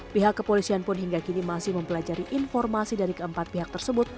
pihak kepolisian pun hingga kini masih mempelajari informasi dari keempat pihak tersebut